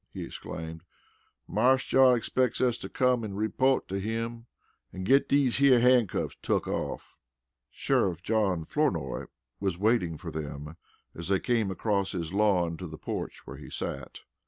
he exclaimed. "Marse John expecks us to come an' repote to him an' git dese here handcuffs tuck off." Sheriff John Flournoy was waiting for them as they came across his lawn to the porch where he sat.